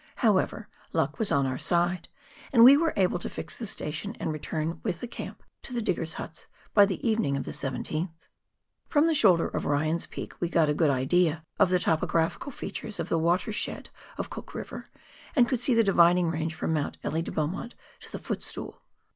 However, luck was on our side, and we were able to fix the station and return with the camp to the diggers' huts by the evening of the 17th. From the shoulder of Ryan's Peak we got a good idea of the topographical features of the watershed of Cook River, and could see the Dividing Range from Mount Elie de Beaumont to the Footstool.